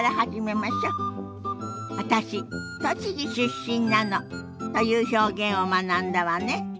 「私栃木出身なの」という表現を学んだわね。